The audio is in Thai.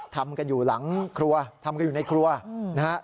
ทำกันอยู่หลังครัวทำกันอยู่ในครัวนะฮะ